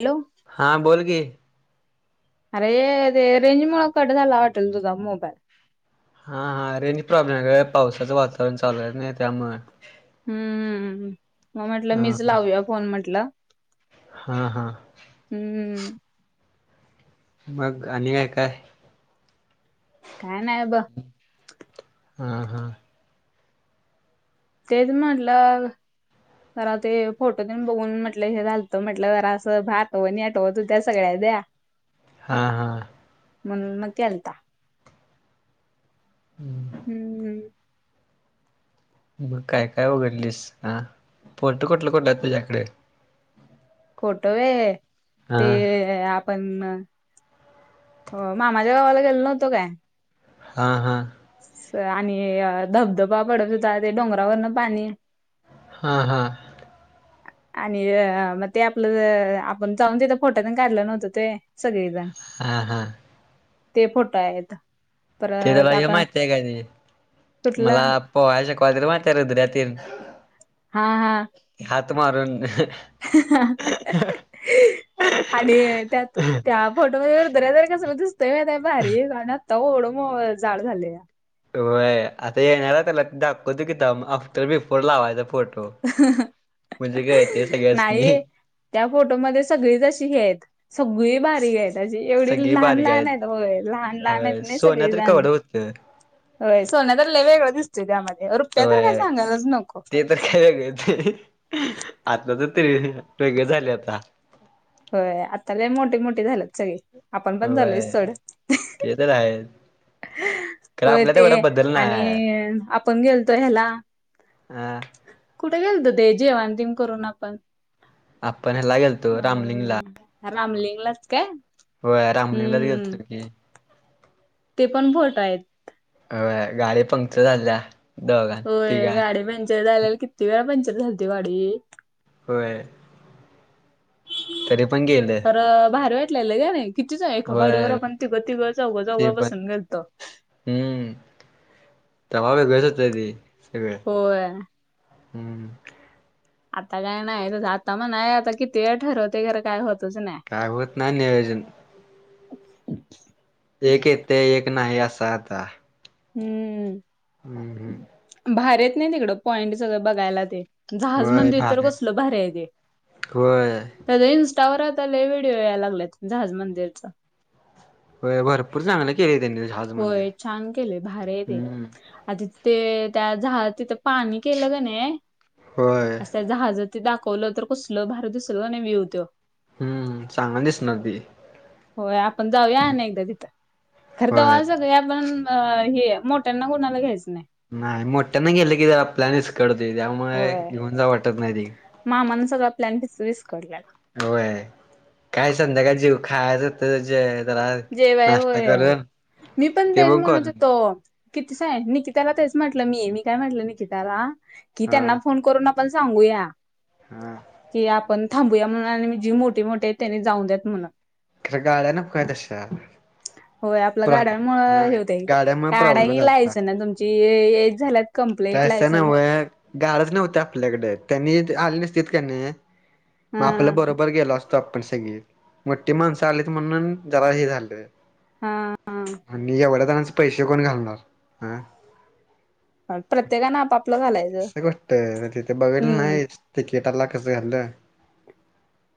Hello! हां बोल कि अरे.... ते रेंज मुळ कट झाला वाटेल तुझा मोबाईल हा हा रेनी प्रॉब्लेम आहे, पावसाचं वातावरण चालू आहे. नाही त्यामुळे हम्म,... म्हटलं हा मीच हा फोन म्हटलं. हा हा, हम्मम, ! मग आणि काय काय [inaudible] काय नाही ब, हा हा तेच म्हटलं, जरा ते फोटो देन बघून म्हटलं हे घालतं म्हटलं जरा असं भात हो नेटव तू त्या सगळ्या द्या, हां हां. मल मकलता, हम्म, हम्म काय काय वघडलीस फ़ोटो कुठलं -कुठलं तुझ्याकडे, फोटो आहे हा ते, आपण हो.. मामाझ्या गावाला गेलो नव्हतो काय. हा हा, आणि, धबधबा पडत होेतात ते डोंगरावरन पाणी हा हा, आणि, मग ते आपलं आपण तिथं फोटा काढलं नव्हतं ते सगळेजण हां हां, ते फोटं आहेत. ते त्याला परत हे आपण माहित आहे काय ते [unintelligible] कुठला मला पोहाय शकवा त र म त्या रुद्रातील [inaudible] हा हा, हात मारन आणि त्यात त्या फोटो मध्ये दऱ्याद कसं दिसतय का नाहीय भारी कारण आत्ता ओढ जाड झाले. होय आता [inaudible] दाखो तू किं आफ्टर लावायचा फोट हो म्हणजे काय, ते सगळ्याच नाही त्या फोटोमध्ये सगळीच अशी हे सगळी बारीक आहे तजी एवढी सगळी लहान बारीक लहान आहेत लहान लहान होय आहेत ना सोनं तर सगळेजण केवढं होतं होय सोन्या तरला वेगळं दिसतोय, त्यामध्ये रुपया तर काय होय. सांगालाच नको, ते तर काय वेगळेच तर तरी वेगळे झाले [inaudible] होय, आता ते मोठे मोठे झालेत सगळे आपण पण झालयच होय चढ ते तरच आहे? खरं होय, आपल्या ते तेवढा बदल आणि नाय. आपण गेलतो ह्याला. हा, कुठे गेल तर ते जेवा अ तिम करून आपण आपण ह्या लागेल तो रामलिंगला, रामलिंगलाच काय? होय रामलिंगलाच हम्म गेेलतो की. ते पण भोट आहेत. अ वय गाडी पंक्चर झाल्या. दोघां होय तिघां गाडी पंचर झालेली, किती वेळा पंचर झालती गाडी. होय तरी पण गेलं खरं भारी वाटलेलं क नाही. कितीच एका गाडीवर होय आपण तीग तीग चौग चौग ते पण बसून गेलतो. हम्म,, तवा वेगळच हुतं ते सगळं. होय हम्म. आता काय नाय तसं, आता म्हणाया आता किती एळा ठरवतय खरं काय होतच नाय. काय होत नाय नियोजन. एक येतय एक नाही आस आता. हम्मम. हम्म. हम्म भारी आहेत नाई तिकडं पॉइंट सगळं बघायला ते. जहाज होय मंदिर तर भारी कसलं भारी हाय ते. होय त्याचं इंस्टावर आता लय व्हिडिओ याय लागल्यात जहाज मंदिरच‌. होय भरपूर चांगले. केळे त्यांन. होय छान केलय, भारी हाय ते, आधी ते त्या जहाज तिथं पाणी केलं कणई होय असं ते त्या जहाजत ते दाखवलं, तर कसंल भारी दिसल होय नाई विव तो. हम्म, चांगल दिसनार ते. होय आपण जाऊया आने एकदा तिथं, खरं होय तवा सगळी आपण अ हे मोट्याना कुणाला घ्यायचं नाय. नाय, मोठ्याना गेलं की जरा प्लॅन विस्कडतोय, त्यामुळं घेऊन जाऊ वाटत नाही ते. मामान सगळा प्लॅन फिस विस्कडल्याला. होय, काय संध्याकाळ जीव खायच हुतं ज जेवय होय,, मी पण ते तेच म्हणत करून हुतो. किती स निकिताला तेच म्हटलं मी, मी काय म्हटलं निकिताला, की हा त्यांना फोन करू न आपण सांगूया. हा. की आपण थांबूया म्हणून, आणि जी मोठी मोठी आहे त्यांनी जाऊन द्द्यात म्हणं. गाड्या नको काय तशा. होय आपलं प्र गड्यामुळं हा हे होतय, गाड्यामुळे काडा प्रॉब्लेम की झालता लायसन तुमची ये एज झाल्यात कंप्लीट तसं लायसन नवं,, गाड्याच नव्हत्या आपल्याकडं, त्यांनी आले नसतीत कणई मग हा आपलं बरोबर गेलो असतो आपण सगळी, मोठी माणसं आलीत म्हणून जरा हे झालं हां. आणि एवढ्या जणांच पैशे कोण घालणार,, हं. प्रत्येकानं आपाप कशी गोश्ट, तीत बघितल हम्म नाहीस, तिकीटाला कसं घालं.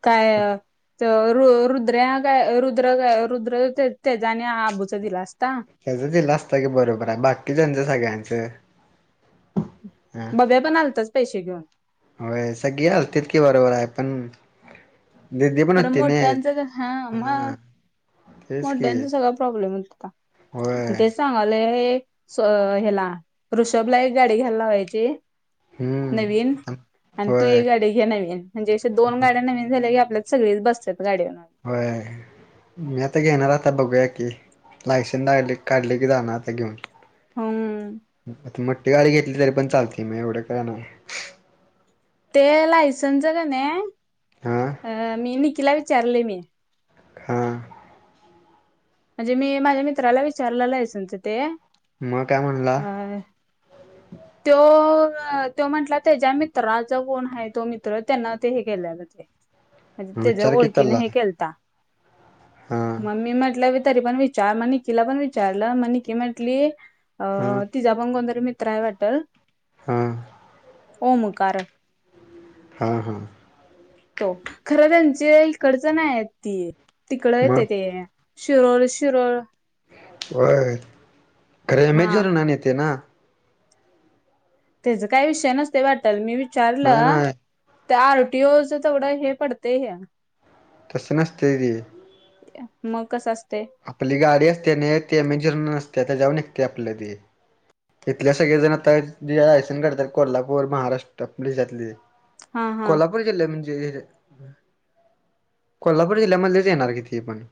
काय तर र रुद्रऱ्या काय रुद्र रुद्र तेजं अणि आबूचं दिला असता. त्यजं दिला असता की बरोबर हाय, बाकीच्याचं सगळ्यांचं. बब्या पण आलताच पैशे घेऊन. होयं सगळीं आलती की बरोबर आहे पणं खरं मोठ्यांचं हां मंग हा तेच की मोठ्यांचं सगळं प्रॉब्लेम होतं होय होतां तेचं सगांयलोय सो ह्यांला ऋषभ लां एक गांडी घ्यायलावांयची नवीन हम्म आणि तूं होय एक गांडी घे नवीन म्हणजे अे दोन गाड्यां नवीन झाल्यां की आपल्या सगळीचं बसत्यांत गांडीवरं होयं मी आंता घेणारं आंता बघूंया की लांयसन्स दाखले काढले की जाणारं आंता घेऊंन हम्मं मोठी गांडी घेतली तरी पणं चालतंय मंग एवढं कायं नांय ते लांयसन्सचं कनई हा अं मी निकिलां विचारलंय मी हां म्हणजे मी माझ्यां मित्रांला विचारलेला आहे लांयसन्स ते मंग कायं म्हणलां अ तो तो म्हंटला त्यांच्या मित्रांचा कोणं आहे तो मित्रं त्यांना ते हे केलेला ते म्हणजे मग त्यांच्या विचार की ओळखीन त्याला हे खेलतां हा मम्मी म्हटलं तरी पणं विचांर म निककीला पणं विचारलं मं निकी म्हंटली हा अं तिचां पणं कोणंतरी मित्रं आहे वाटतं हम्मं होओ मुं कारणं हां हां तो खरं त्यांचे इकडचं नाहीं ती तिकडं येतं मग ते शिरोळ शिरोळ हो खरे हा मेजरूंनान येतं नां त्यांचं कांहीं विषय नसते वाटलं मी नाही विचारलं नाही ते आंरटी ओ थोडं हे पडते आहे तसं नसते मंग कसं असते आपली गांडी असते नाहीं येतं मेंजर असते त्यां जाऊंन निघते आपल्यां ते इथले सगळें जणं आंता जे लायसन्स काढतांत कोल्हापूर महाराष्ट्र पिसातले हां हां बघीतले जिल्ह म्हणजे कोल्हापूर जिल्ह्यांमध्येंचं येणारं किती आपणं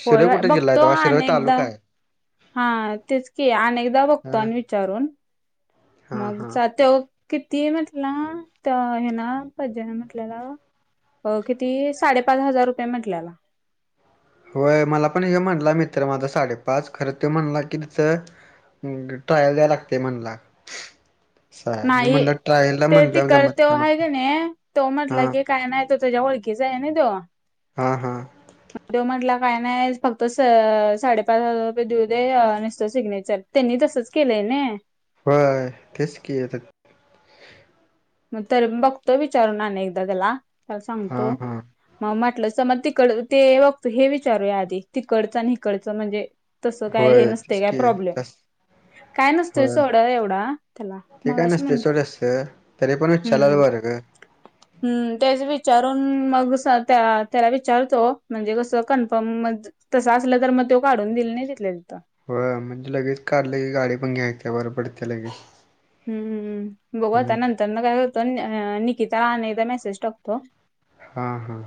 शिरोय कुठे जिल्हा आहे ते शिरई तालुका आहे हां तेचं की अनेकदां बघतो हा आणि विचारूंन हा मंग हा ते किती म्हटलं हे नां पजन म्हंटलेला अं किती साडेपाच हजांर रुपये म्हंटल्यांला होयं मलां पणं हे म्हंणटंला मित्रं माझां साडेपाच खरं तो म्हंणला की तिचं ट्रायलं द्याय लागते म्हनलां नाहीं ट्रायलला ते तो म्हणलं जमत करते नाही आहे म्हणलं की नाहीं तो हा म्हटलं की कायं नाहीं तो तुझ्यां ओळखीचा आहे नां तो हां हां हं तो म्हंटला कायं नाहीं फक्तं साडेपाच हजांर रुपये देऊ दे नसतो सिग्नेचरं त्यांनी तसंच केलंय नं होय तेच की आता. मग तर बघतो विचारून आणि एकदा त्याला त्याला हा सांगतो. हा मग म्हटलं तर मग तिकड ते बघतो हे विचारूया आधी तिकडचं आणि कडचं म्हणजे तसं काय हे होय नसते तेच काय की प्रॉब्लेम. तस काय नसतोय सोढं एवढा. नसतंय म्हणत सोड एवढा तरीपण विचारलेलं बरं ग. ह् तेच विचारून मग त्या त्याला विचारतो म्हणजे कसं कन्फर्म म तसं असलं तर मग तो काढून दिले नाही तिले तिथं. हो म्हणजे लगेच काढलं के गाडी पण घ्यायच्या बर पडतते लगेच. हम् बघु आता हम्म नंतर न काय करतो निकिता आणि एकदा मेसेज टाकतो. हा हा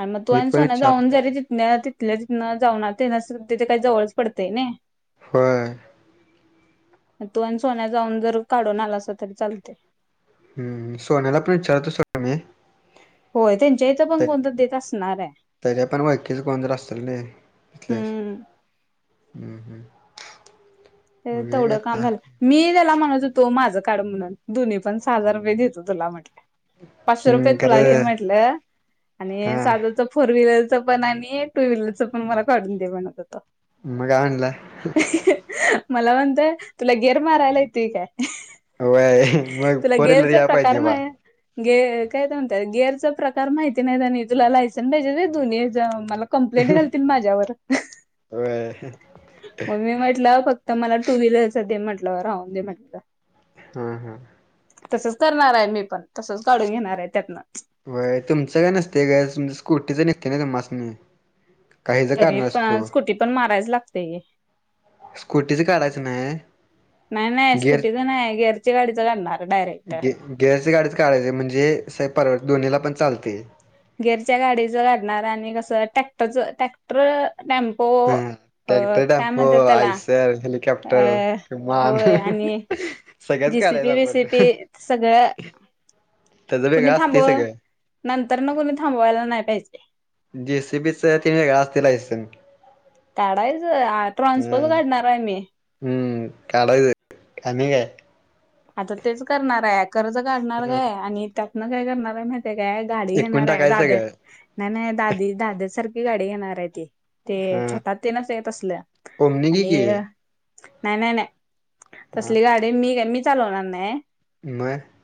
आणि मग तू मी आणि पण सोन जाऊन विचारतो जरी तिथ नाही तिथल्या ति न जाऊणार ते न तिथे काही जवळच पडतंय नाही. बरं. तू आणि सोन्या जाऊन जर काढून आला अस तरी चालते. सोन्याला पण विचारतो सोड. मी होय त्यांच्या इथ पण त्या कोण तर देत असणार. त्याच्या पण ओळखीचं कोणतं असलेले तिथले.. हम्म हम्म हम्म. ते बघूया की तेवढं आता काम झालं. मी त्याला म्हणत होतो माझं का्ड म्हणून दुन्ही पण सहा हजार रुपये देतो तुला म्हटले. पाचशे रुपये हम्म तुला घे खरं म्हटलं. आणि हा साधाच फोर व्हीलरच पण आणि टू व्हीलरच पण मला काढून दे म्हणत. होत मग आणला मला म्हणतोय तुला गेर मारायला येत काय. व्हय मग तुला फोर व्हीलर गेरचा याय प्रकार पाहिजे बा माही गेर काय म्हणतात गेअरचा प्रकार माहिती नाही त्यानी तुला लायसन पाहिजे ते दुन मला. कंप्लेंट घालतील माझ्यावर. व्हय मग् मी म्हटलं फक्त मला टू व्हीलरचा दे म्हटलं राहून दे म्हटल. हा हा. तसच करणार आहे मी पण तसच काढून घेणार आहे त्यातनं. वय तुमच काय नसते ग स्कूटीचं निसते ना तुम्हास नी. तरी पण स्कुटी पण मारायच लागते. स्कूटीच काढायचं नाही नाही नाही गिअर स्कुटीच नाही गेर च्या गाडीचं काढणार डायरेक्ट. ग गेरची गाडीच काढायची म्हणजे साहेब दोन्हीला पण चालतंय. गिरच्या गाडीचं काढणार आणि कसं टॅक्टरच टॅक्टर टम्प ह ट्रॅक्टर, टपो, त्याला आईसर, हेलिकॉप्टर, अ विमान. [unintelligible] काढायच जेसीबी आपण वेसिपी त्याच सगळं कुणी वेगळं थांब असतय सगळं नंतर कोणी थांबवायला नाही पाहिजे. जीसीपी च ते वेगळं असतय लायसन. काढायचं ट्रान्सपच हम्म काढणार आहे मी. हम्म काढ कमी काय. आता तेच करणार आहे कर्ज काढणार ह काय आणि त्यातनं काय करणार आहे माहितीय काय. गाडी एकूण घेणार आहे टाकायचं दाद्या सगळं नाही नाही दादी दाद्या सारखी गाडी घेणार आहे ती. ते.. हा छोटा हत्ती नसतोय काय तसल ओमनी घे आणि.... की नाय- नाय -नाय. हा तसली गाडी... मी.. काय.. मी... चालवणार नाही. [unintelligible]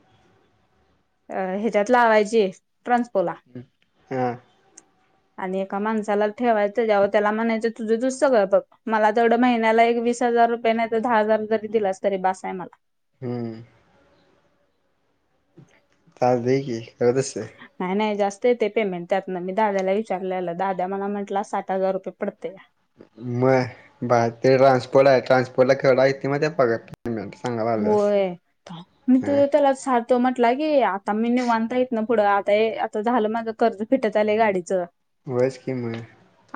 अ... ह्याच्यात लावायची. ट्रान्सपोला.... हा आणि एका माणसाला ठेवायचं त्याच्यावर त्याला म्हणायचं तुझं तूच सगळं बघ. मला तेवढं महिन्याला एक वीस हजार रुपये नाही तर दहा हजार जरी दिलास तरी बसा आहे मला. हम्म.... [unintelligible] नाही -नाही जास्त येते पेमेंट त्यातन. मी दाद्याला विचारलेलं दाद्या मला म्हटला साठ हजार रुपये पडतया. म... बाळ ते ट्रान्सपोर्टला आ हे. ट्रान्सपोर्टला केवढा येतुय माहिती आहे का पगार. पेमेंट सांगाय लागल्यास होय..... मी तुझ हा त्याला साठ.... तो म्हटला की आता मी निवत आहे आणता येत ना पुढं आता हे आता झालं माझं कर्ज फिटत आलंय गाडीचं. व्हयचं की..... म.....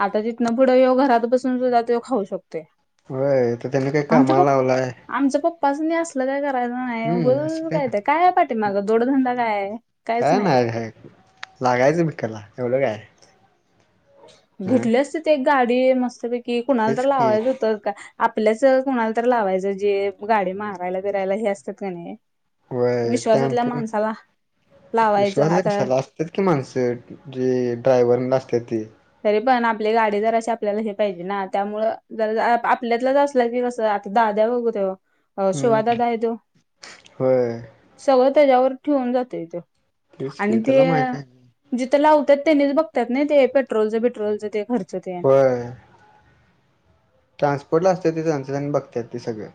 आता तिथनं पुढं ह्यो घरात बसून सुद्धा तेच त्यो खाऊ शकतो या. होय... आता त्यान काय कामाला लावलाय. आमच्या पप्पासनी असलं काय करायचं नाही हम्म असं उगाजच काय नाही तरी काय पाठी मागं दोडधंदा काय आहे. कायच काय नाही माग आहे. लागायचं भिकला एवढं काय..... ह घेतली असती ती एक गाडी मस्तपैकी कुणाला तर तेच की लावायच होत का.... आपल्याच कुणाला तर लावायचं जे गाडी मारायला बिरायला हे असतात कि नाही... व्हय विश्वासातल्या टेम्पो माणसाला.... लावायचं. आता... असत्यात की माणसं जी ड्रायवर असत्यात ती... तरी पण आपली गाडी जराशी आपल्याला हे पाहिजे ना त्यामुळं जर आपल्यातलंच असलं की कसं... दाद्या बग कि त्यो.... अ... हम्म शिवादादा आहे त्यो.... होय सगळं त्याच्यावर ठेवून जातुय त्यो... तेच की आणि ते.... त्याला माहित आहे जिथं लावतात तेनीच बघतात नाही ते पेट्रोलचं बिट्रोलचं ते खर्च तेन... [unintelligible] ट्रान्सपोर्ट ला असत्यात ति त्यांचं ती बघत्यात ते सगळ.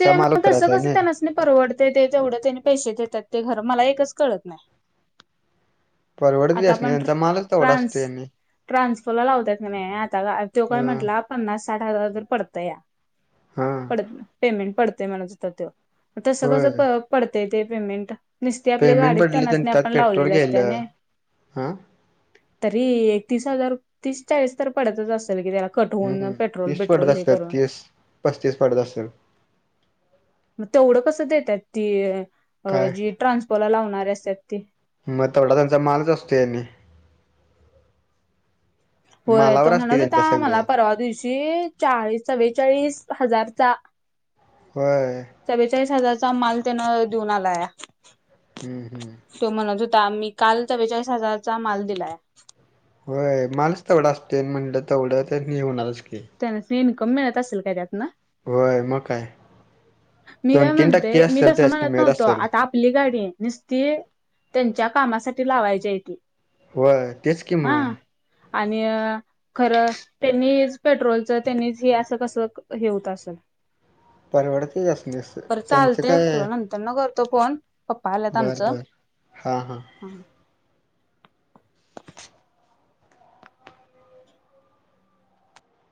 ते.. म.. तस कस त्यांनास... परवडतय ते तेवढं त्यांनी पैसे देतात ते खर मला एकच कळत नाही. परवडतय आता त्यासनी आपण त्यांचा मालच तेवढा ट्रान्स असतुय आणि.... ट्रान्सफरला लावत्यात की नाही आता तो ह काय म्हटला पन्नास साठ हजार तरी पडतया. हा पडत... पेमेंट पडतय म्हणा हुता त्यो. तस कसं होय प.... पडतय ते पेमेंट. नुसती आपली पेमेंट गाडीच पडली त्यांनासनी आपण लावलेली असत्या नाय... आ... तरी ए... तीस हजार तीस चाळीस तर पडतच असलं की त्याला.... कट होऊन हम्म... पेट्रोल तीस पडत बिट्रोल हे असल. करून तीस. पस्तीस पडत असलं. म.. तेवढं कसं देत्यात ती... अ.. काय जी ट्रान्सपोला लावणारी असत्यात ती. म... तेवढा त्यांचा मालच असतो या आणि... होय तो मालावर असते म्हणत होता त्यांच्या सगळे मला परवा दिवशी.... चाळीस चव्वेचाळीस हजार चा... होय... चव्वेचाळीस हजारचा माल त्यानं. देऊन आलाया. हम्म... हम्म.... तो म्हणत होता मी काल चव्वेचाळीस हजाराचा माल दिलाया. होय.. मालच तेवढा असतुय. म्हणलं तेवढं होणारच की... त्या सणी इन्कम मिळत असेल काय त्यातन? होय. म काय? मी दोन काय तीन म्हणते, टक्के मी असेल तस म्हणत त्यासनी मिळत नव्हतो. असेल आता आप पली गाडी आहे. नुसती त्यांच्या कामासाठी लावायचिये ती. व्हय. तेच कि हा म. आणि अ खरं त्यांनीच पेट्रोलच, त्यांनीच हे असं कसं हे होत असल. परवडतच असल अस. बरं चालते, तुला नंतरन करतो फोन. पप्पा आलात बर आमचं. बर हा हा हं.